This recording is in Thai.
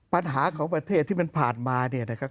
ประเทศของประเทศที่มันผ่านมาเนี่ยนะครับ